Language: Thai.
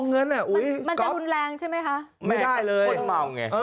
มันจะหนุนแรงใช่ไหมคะ